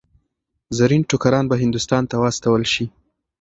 زرین ټوکران به هندوستان ته واستول شي.